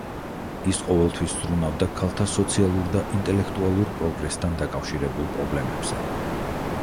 ის ყოველთვის ზრუნავდა ქალთა სოციალურ და ინტელექტუალურ პროგრესთან დაკავშირებულ პრობლემებზე.